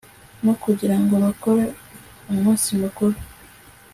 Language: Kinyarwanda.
no kugira ngo bakore umunsi mukuru